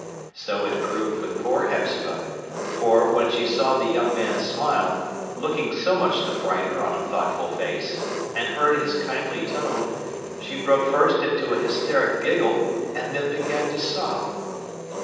So it proved with poor Hepzibah; for, when she saw the young man's smile,—looking so much the brighter on a thoughtful face,—and heard his kindly tone, she broke first into a hysteric giggle and then began to sob.